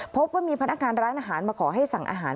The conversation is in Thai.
พบว่ามีพนักงานร้านอาหารมาขอให้สั่งอาหาร